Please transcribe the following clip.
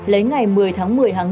lấy ngày một mươi tháng năm